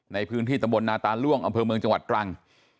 ในพื้นที่ตำบลนาตาล่วงอำเภอเมืองจังหวัดตรัง